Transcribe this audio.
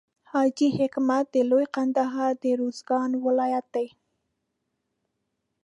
حاجي حکمت د لوی کندهار د روزګان ولایت دی.